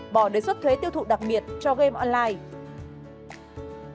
bỏ đề xuất thuế tiêu thụ đặc biệt cho game online